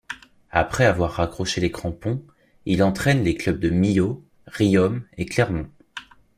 Après avoir raccroché les crampons, il entraîne les clubs de Millau, Riom et Clermont.